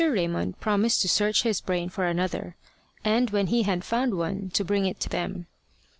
Raymond promised to search his brain for another, and when he had found one to bring it to them.